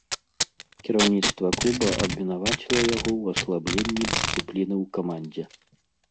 Кіраўніцтва клуба абвінаваціла яго ў аслабленні дысцыпліны ў камандзе.